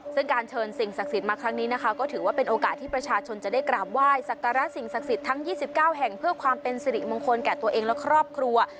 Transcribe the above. ซึ่งการเชิญสิ่งศักดิ์สิทธิ์มาครั้งนี้นะคะก็ถือว่าเป็นโอกาสที่ประชาชนจะได้กราบไหว้สักการะสิ่งศักดิ์สิทธิ์ทั้ง๒๙แห่งเพื่อความเป็นสิริมงคลแก่ตัวเองและครอบครัว